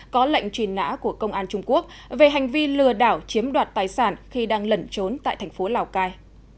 có lệnh truy nã của công an trung quốc về hành vi lừa đảo chiếm đoạt tài sản khi đang lẩn trốn tại thành phố lào cai